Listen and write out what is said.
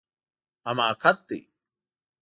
حماقت دی